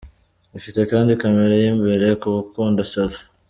ifite kandi camera y’imbere kubakunda selfie.